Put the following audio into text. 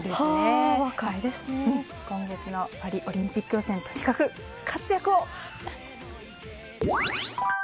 今月のパリオリンピック予選とにかく活躍を！